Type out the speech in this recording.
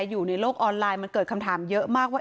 อยู่ในโลกออนไลน์มันเกิดคำถามเยอะมากว่า